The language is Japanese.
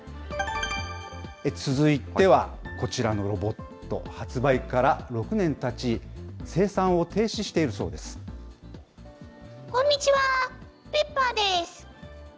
続いてはこちらのロボット、発売から６年たち、生産を停止していこんにちは。ペッパーです。